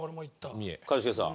一茂さん。